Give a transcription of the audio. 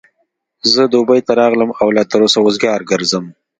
زه دبۍ ته راغلم او لا تر اوسه وزګار ګرځم.